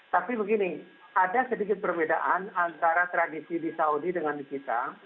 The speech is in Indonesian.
tapi begini ada sedikit perbedaan antara tradisi di saudi dengan kita